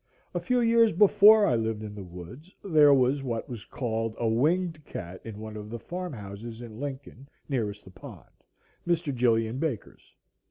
A few years before I lived in the woods there was what was called a "winged cat" in one of the farm houses in Lincoln nearest the pond, Mr. Gilian Baker's.